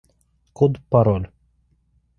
Код-пароль